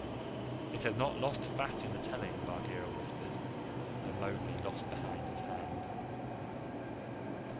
"It has not lost fat in the telling," Bagheera whispered, and Mowgli laughed behind his hand.